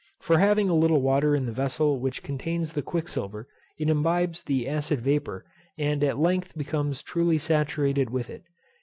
For having a little water in the vessel which contains the quicksilver, it imbibes the acid vapour, and at length becomes truly saturated with it.